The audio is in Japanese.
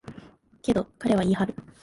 けど、彼は言い張る。